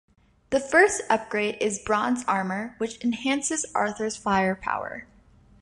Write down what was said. The first upgrade is bronze armor which enhances Arthur's firepower.